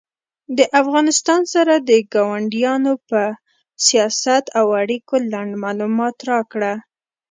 د افغانستان سره د کاونډیانو په سیاست او اړیکو لنډ معلومات راکړه